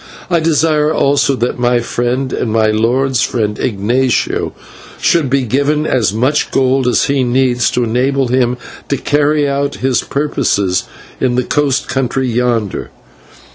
I desire also that my friend and my lord's friend, Ignatio, should be given as much gold as he needs to enable him to carry out his purposes in the coast country yonder.